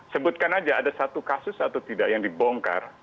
sebutkan aja ada satu kasus atau tidak yang dibongkar